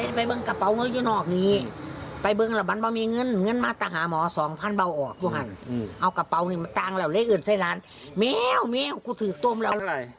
หาหลักอื่นใส่ล้านแมวแมวกูถือต้มแล้ว